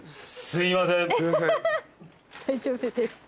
すいません。